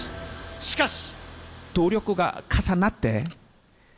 しかし。